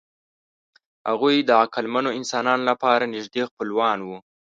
هغوی د عقلمنو انسانانو لپاره نږدې خپلوان وو.